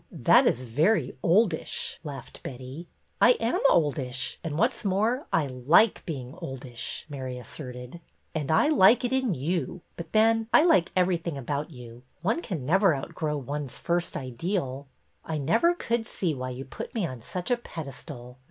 That is very oldish! " laughed Betty. '' I am oldish, and, what 's more, I like being oldish," Mary asserted. And I like it in you, but then, I like every thing about you. One can never outgrow one's first ideal." '' I never could see why you put me on such a pedestal.